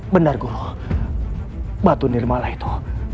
benar guru batu nirmala itu